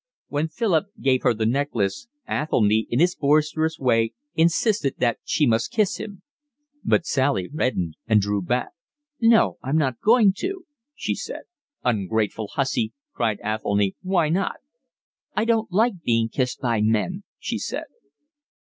When Philip gave her the necklace Athelny in his boisterous way insisted that she must kiss him; but Sally reddened and drew back. "No, I'm not going to," she said. "Ungrateful hussy!" cried Athelny. "Why not?" "I don't like being kissed by men," she said.